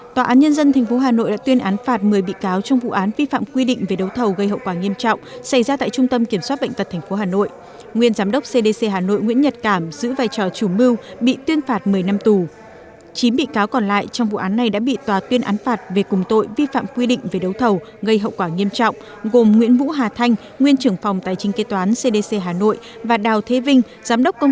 tòa án nhân dân tp hà nội đã tuyên án phạt một mươi bị cáo trong vụ án vi phạm quy định về đầu tư xây dự án